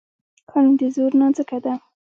قانون د زور نانځکه ده.